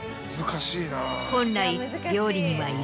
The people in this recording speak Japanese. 本来。